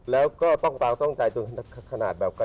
แล้วก็ต้องกายตัวขนาดแบบ